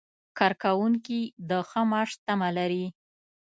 کارکوونکي د ښه معاش تمه لري.